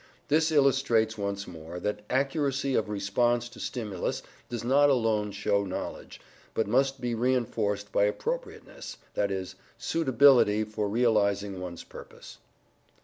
This illustrates once more that accuracy of response to stimulus does not alone show knowledge, but must be reinforced by appropriateness, i.e. suitability for realizing one's purpose.